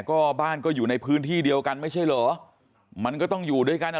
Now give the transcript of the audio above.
ก็บ้านก็อยู่ในพื้นที่เดียวกันไม่ใช่เหรอมันก็ต้องอยู่ด้วยกันอ่ะ